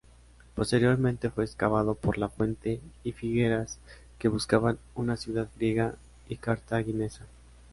Posteriormente fue excavado por Lafuente y Figueras, que buscaban una ciudad griega y cartaginesa.